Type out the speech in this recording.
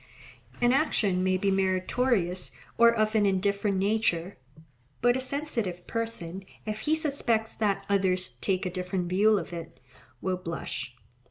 An action may be meritorious or of an indifferent nature, but a sensitive person, if he suspects that others take a different view of it, will blush.